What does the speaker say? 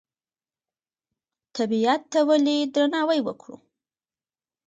طبیعت ته ولې درناوی وکړو؟